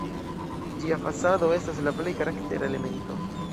Ĝia fasado estas la plej karaktera elemento.